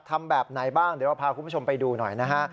ทำแบบไหนบ้างเดี๋ยวเราพาคุณผู้ชมไปดูหน่อยนะฮะ